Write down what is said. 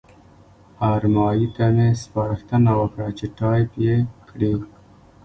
ارمایي ته مې سپارښتنه وکړه چې ټایپ یې کړي.